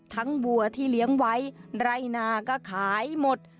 วัวที่เลี้ยงไว้ไร่นาก็ขายหมด